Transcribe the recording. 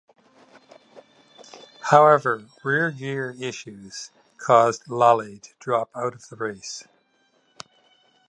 However rear gear issues caused Lally to drop out of the race.